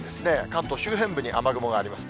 関東周辺部に雨雲があります。